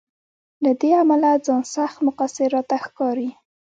له دې امله ځان سخت مقصر راته ښکاري.